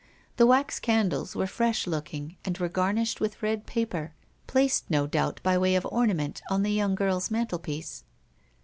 The wax candles were fresh looking and were garnished with red paper placed, no doubt, by way of ornament on the young girl's mantelpiece.